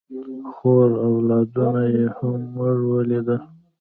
خور او اولادونه یې هم موږ ولیدل.